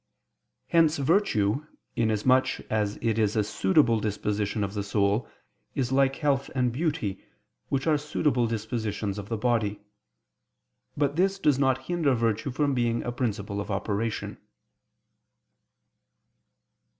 Hence virtue, inasmuch as it is a suitable disposition of the soul, is like health and beauty, which are suitable dispositions of the body. But this does not hinder virtue from being a principle of operation.